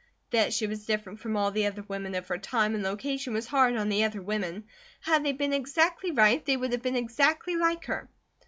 That she was different from all the other women of her time and location was hard on the other women. Had they been exactly right, they would have been exactly like her.